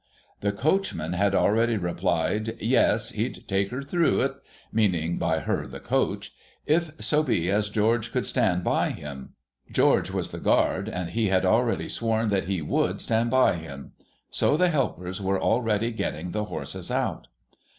The coachman had aheady repHed, 'Yes, he'd take her through it,' — meaning by Her the coach,—' if so be as George would stand by him,' George was the guard, and he had already sworn that he nwtild stand by him. So the helpers were already getting the horses out.